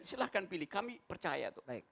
silahkan pilih kami percaya tuh